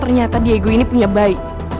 ternyata diego ini punya bayi